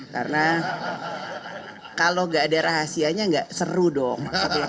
karena kalau tidak ada rahasianya tidak seru dong